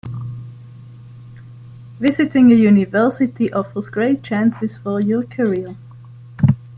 Visiting a university offers great chances for your career.